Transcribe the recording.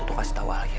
untuk kasih tau alia